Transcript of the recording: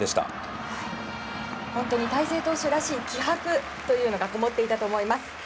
本当に大勢投手らしい気迫というのがこもっていたと思います。